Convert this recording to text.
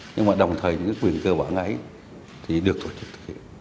nhưng mà đồng thời những quyền cơ bản ấy thì được tổ chức thực hiện